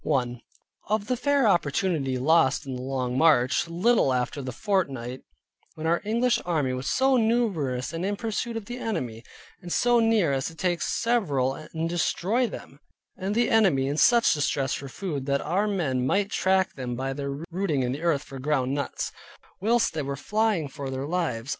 1. Of the fair opportunity lost in the long march, a little after the fort fight, when our English army was so numerous, and in pursuit of the enemy, and so near as to take several and destroy them, and the enemy in such distress for food that our men might track them by their rooting in the earth for ground nuts, whilst they were flying for their lives.